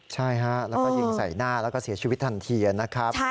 ใช่ฮะแล้วก็ยิงใส่หน้าแล้วก็เสียชีวิตทันทีนะครับ